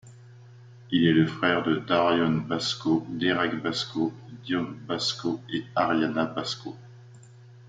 Il est le frère de Darion Basco, Derek Basco, Dion Bascon et Arianna Basco.